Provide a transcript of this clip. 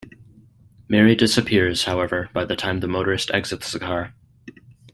Mary disappears, however, by the time the motorist exits the car.